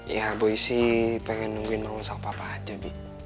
ya bu isi pengen nungguin mama sama papa aja bi